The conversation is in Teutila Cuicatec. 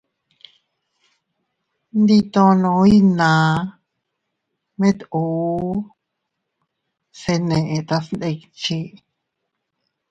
Nditono iynamit uu, se netas ndikchi.